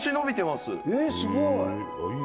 「すごい！」